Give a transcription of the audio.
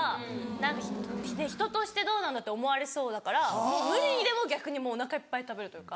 何か人としてどうなんだって思われそうだから無理にでも逆にもうおなかいっぱい食べるというか。